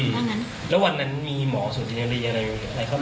แล้ววันนั้นมีหมอสุดีอะไรเข้าไป